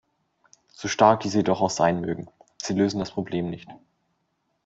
So stark diese jedoch auch sein mögen, sie lösen das Problem nicht.